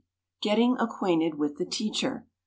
GETTING ACQUAINTED WITH THE TEACHER.